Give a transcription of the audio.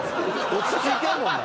落ち着いてるもんな。